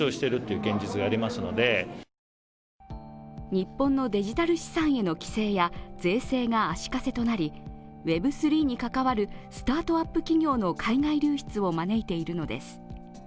日本のデジタル資産への規制や税制が足かせとなりＷｅｂ３．０に関わるスタートアップ企業の海外流出を招いているのです。